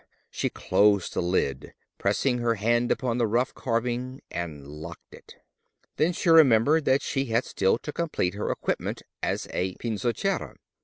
She closed the lid, pressing her hand upon the rough carving, and locked it. Then she remembered that she had still to complete her equipment as a Pinzochera.